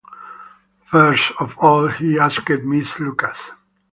First of all, he asked Miss Lucas.